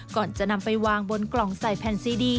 ก่อนจะนำไปวางบนกล่องใส่แผ่นซีดี